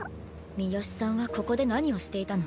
三好さんはここで何をしていたの？